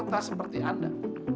saya tidak seperti anda